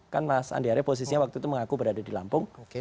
kan mas andi arief posisinya waktu itu mengaku berada di lampung